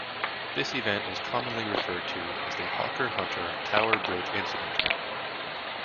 This event is commonly referred to as the Hawker Hunter Tower Bridge incident.